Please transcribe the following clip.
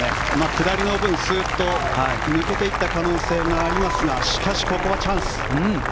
下りの分、スーッと抜けていった可能性もありますがしかし、ここはチャンス。